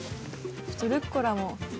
ルッコラも。